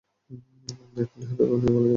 এখনই নিহতকে নিয়ে বলা যাবে না?